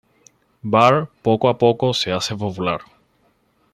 Bart poco a poco se hace popular.